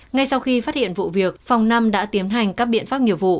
ngay sau khi phát hiện vụ việc phòng năm đã tiến hành các biện pháp nghiệp vụ